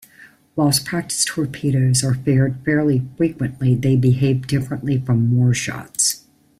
Whilst practice torpedoes are fired fairly frequently, they behave differently from warshots.